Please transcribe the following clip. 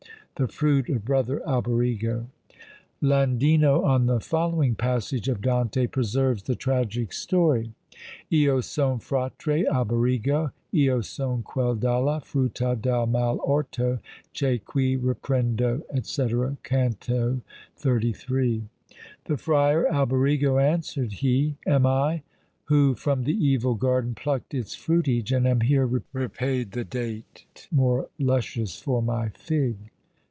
_ The fruit of brother Alberigo. Landino, on the following passage of Dante, preserves the tragic story: Io son fratre Alberigo, Io son quel dalle frutta del mal orto Che qui reprendo, &c. Canto xxxiii. "The friar Alberigo," answered he, "Am I, who from the evil garden pluck'd Its fruitage, and am here repaid the date More luscious for my fig."